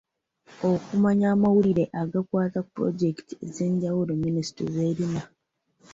Okumanya amawulire agakwata ku pulojekiti ez'enjawulo Minisitule z'erina.